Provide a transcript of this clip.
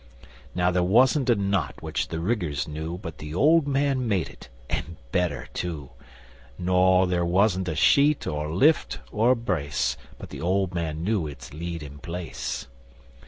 Now there wasn't a knot which the riggers knew But the old man made it and better too; Nor there wasn't a sheet, or a lift, or a brace, But the old man knew its lead and place.